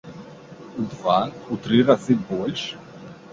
У два, у тры разы больш?